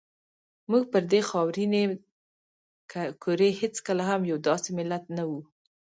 موږ پر دې خاورینې کرې هېڅکله هم یو داسې ملت نه وو.